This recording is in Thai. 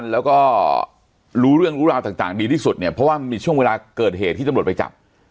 แล้วก็รู้เรื่องรู้ราวต่างดีที่สุดเนี่ยเพราะว่ามีช่วงเวลาเกิดเหตุที่ตำรวจไปจับ